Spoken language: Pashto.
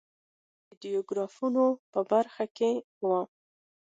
کار یې د ډیاګرامونو په برخه کې و.